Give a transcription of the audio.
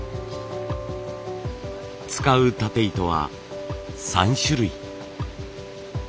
使うたて糸は３種類。